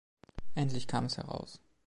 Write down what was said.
Endlich kam es heraus.